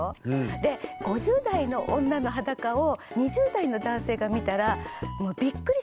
で５０代の女の裸を２０代の男性が見たらもうそうなの？